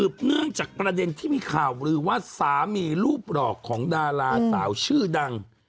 เบรกเดี๋ยวกลับมากันต่อฮะ